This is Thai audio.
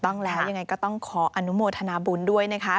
ต้องแล้วยังไงก็ต้องขออนุโมทนาบุญด้วยนะคะ